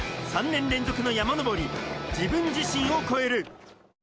３年連続の山上り、自分自身を超える。